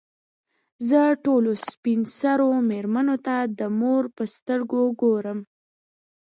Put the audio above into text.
زه ټولو سپین سرو مېرمنو ته د مور په سترګو ګورم.